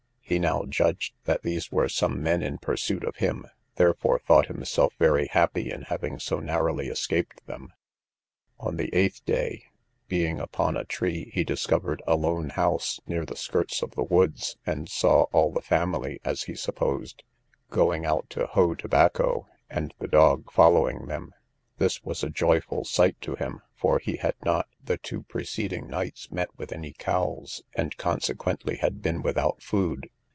He now judged that these were some men in pursuit of him, therefore thought himself very happy in having so narrowly escaped them. On the eighth day, being upon a tree, he discovered a lone house, near the skirts of the woods, and saw all the family (as he supposed) going out to hoe tobacco, and the dog following them; this was a joyful sight to him, for he had not, the two preceding nights, met with any cows, and consequently had been without food.